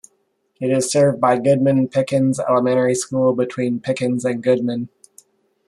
It is served by Goodman-Pickens Elementary School, between Pickens and Goodman.